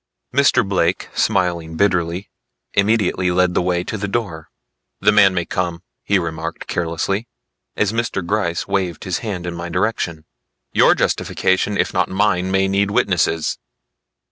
Mr. Blake smiling bitterly immediately led the way to the door. "The man may come," he remarked carelessly as Mr. Gryce waved his hand in my direction. "Your justification if not mine may need witnesses."